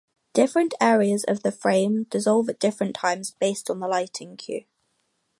Different areas of the frame dissolve at different times, based on the lighting cue.